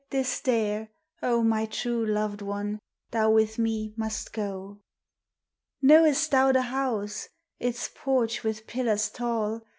T is there, O my true loved one, thou with me must go !" Know'st thou the house, its porch with pillars tall?